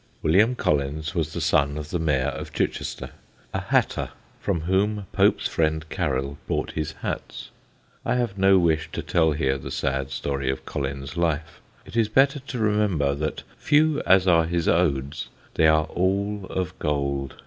William Collins was the son of the Mayor of Chichester, a hatter, from whom Pope's friend Caryll bought his hats. I have no wish to tell here the sad story of Collins' life; it is better to remember that few as are his odes they are all of gold.